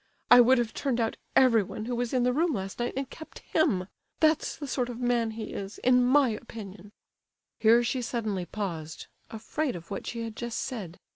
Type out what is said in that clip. I would have turned out everyone who was in the room last night and kept him,—that's the sort of man he is, in my opinion!" Here she suddenly paused, afraid of what she had just said.